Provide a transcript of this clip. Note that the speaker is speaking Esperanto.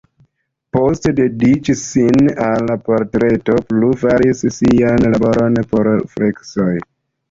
Post dediĉi sin al portretoj plu faris sian laboron por freskoj.